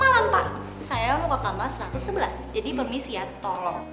malang pak saya rumah kamar satu ratus sebelas jadi permisi ya tolong